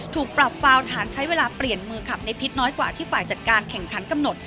ถูกปรับฟาวฐานใช้เวลาเปลี่ยนมือขับในพิษน้อยกว่าที่ฝ่ายจัดการแข่งขันกำหนด